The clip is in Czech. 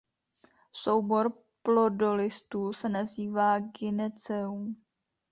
Soubor plodolistů se nazývá gyneceum.